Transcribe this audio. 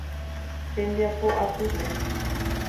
Tembiapo atýpe.